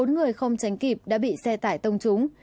bốn người không tránh kịp đã bị xe tải tông trúng